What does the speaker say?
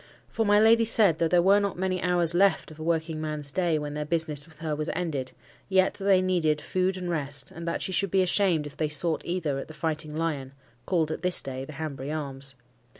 For my lady said, though there were not many hours left of a working man's day when their business with her was ended, yet that they needed food and rest, and that she should be ashamed if they sought either at the Fighting Lion (called at this day the Hanbury Arms).